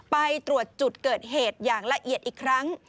ไปตรวจจุดเกิดเหตุอย่างละเอียดอีกครั้ง